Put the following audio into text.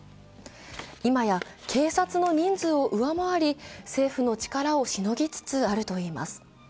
今や警察の人数を上回り、政府の力をしのぎつつあるといいます。